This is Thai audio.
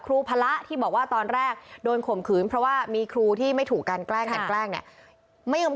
พระที่บอกว่าตอนแรกโดนข่มขืนเพราะว่ามีครูที่ไม่ถูกกันแกล้งกันแกล้งเนี่ยไม่ยอม